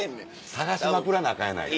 探しまくらなアカンやないか。